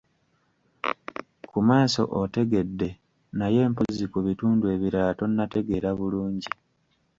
Ku maaso otegedde, naye mpozzi ku bitundu ebirala tonnategeera bulungi.